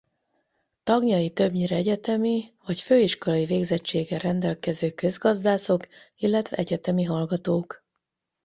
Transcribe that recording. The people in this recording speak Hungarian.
Tagjai többnyire egyetemi vagy főiskolai végzettséggel rendelkező közgazdászok illetve egyetemi hallgatók.